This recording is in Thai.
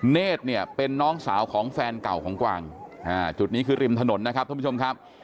เนธเนี่ยเป็นน้องสาวของแฟนเก่าของกวางจุดนี้คือริมถนนนะครับท่านผู้ชมครับ